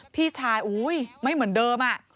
พี่ชายไม่เหมือนเดิม